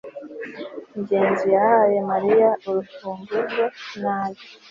ngenzi yahaye mariya urufunguzo nabi